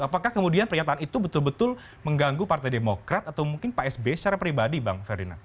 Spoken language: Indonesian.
apakah kemudian pernyataan itu betul betul mengganggu partai demokrat atau mungkin pak sby secara pribadi bang ferdinand